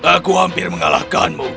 aku hampir mengalahkanmu